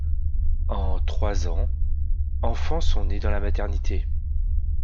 En trois ans, enfants sont nés dans la maternité.